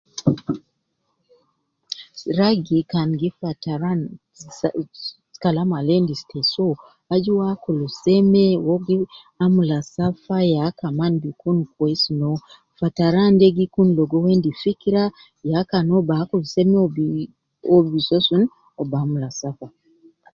Ragi kan gi fataran sa sa fi kalam al uwo endis te soo aju uwo akul seme, uwo gi amula safa, ya kaman gi kun kwesi noo, fataran de gikun logo uwo endi fikira ya kan uwo baakul seme uwo bi, uwo bi soo sun, uwo bi amula safa.